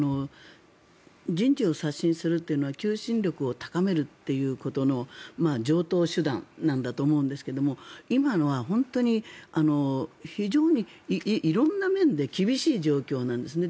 人事を刷新するというのは求心力を高めるということの常とう手段なんだと思うんですが今のは本当に非常に色んな面で厳しい状況なんですね。